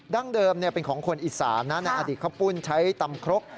เดิมเป็นของคนอีสานนะในอดีตข้าวปุ้นใช้ตำครก